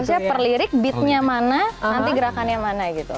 maksudnya per lirik bitnya mana nanti gerakannya mana gitu